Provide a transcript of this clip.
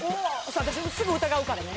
私もすぐ疑うからね